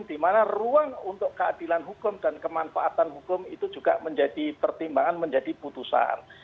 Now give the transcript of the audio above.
di mana ruang untuk keadilan hukum dan kemanfaatan hukum itu juga menjadi pertimbangan menjadi putusan